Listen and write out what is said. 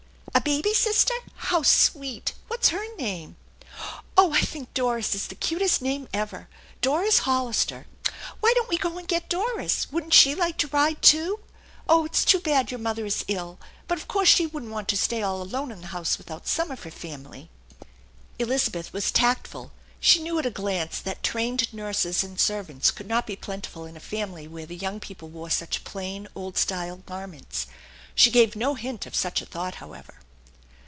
A baby sister? How sweet! What's her name? Oh, I think Doris is the cutest name ever. Doris Hollister. Why don't we go and get Doris? Wouldn't she like to ride, too? Oh, it's too bad your mother is ill; but of course she wouldn't want to stay all alone in the house without some of her family." Elizabeth was tactful. She knew at a glance that trained nurses and servants could not be plentiful in a family where the young people wore such plain, old style garments. She gave no hint of such a thought, however.